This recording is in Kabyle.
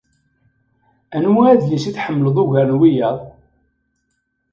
Anwa adlis i tḥemmleḍ ugar n wiyaḍ?